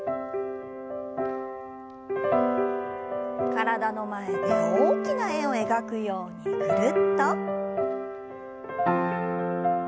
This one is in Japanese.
体の前で大きな円を描くようにぐるっと。